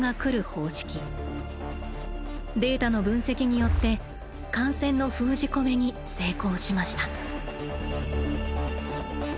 データの分析によって感染の封じ込めに成功しました。